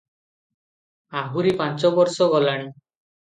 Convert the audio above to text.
ଆହୁରି ପାଞ୍ଚବର୍ଷ ଗଲାଣି ।